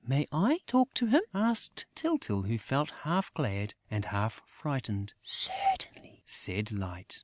"May I talk to him?" asked Tyltyl, who felt half glad and half frightened. "Certainly," said Light.